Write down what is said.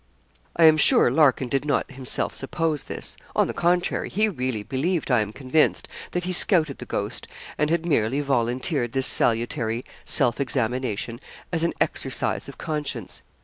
I am sure Larkin did not himself suppose this. On the contrary, he really believed, I am convinced, that he scouted the ghost, and had merely volunteered this salutary self examination as an exercise of conscience.